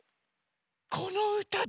このうただ。